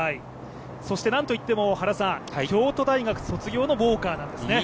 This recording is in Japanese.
そしてなんといっても京都大学卒業のウォーカーなんですね。